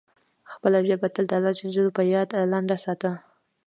خپله ژبه تل د الله جل جلاله په یاد لنده ساته.